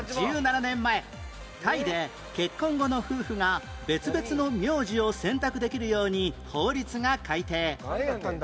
１７年前タイで結婚後の夫婦が別々の名字を選択できるように法律が改定